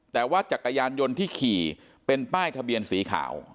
แต่ว่าจักรยานยนต์ที่ขี่เป็นป้ายทะเบียนสีขาว